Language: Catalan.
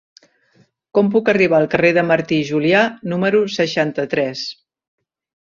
Com puc arribar al carrer de Martí i Julià número seixanta-tres?